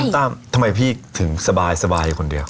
ต้าทำไมพี่ถึงสบายคนเดียว